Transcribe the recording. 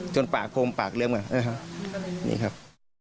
จนปากผมปากเลื้มกันนี่ครับ